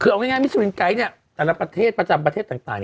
คือเอาง่ายมิสวินไกด์เนี่ยแต่ละประเทศประจำประเทศต่าง